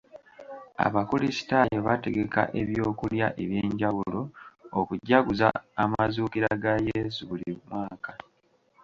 Abakrisitaayo bategeka eby'okulya eby'enjawulo okujaguza amazuukira ga Yesu buli mwaka.